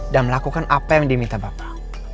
dan melakukan apa yang diminta bapak